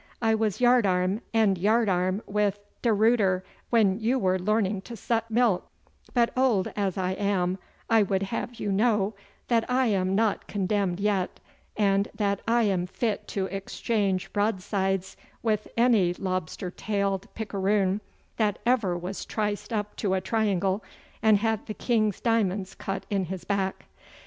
'I was yardarm and yardarm with De Ruyter when you were learning to suck milk; but, old as I am, I would have you know that I am not condemned yet, and that I am fit to exchange broadsides with any lobster tailed piccaroon that ever was triced up to a triangle and had the King's diamonds cut in his back.